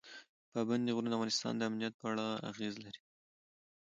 پابندي غرونه د افغانستان د امنیت په اړه اغېز لري.